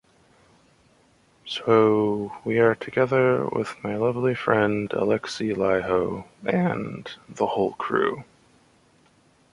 So we are together with my lovely friend Alexi Laiho and the whole crew.